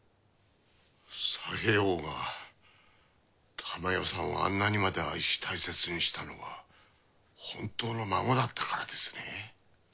佐兵衛翁が珠世さんをあんなにまで愛し大切にしたのは本当の孫だったからですね。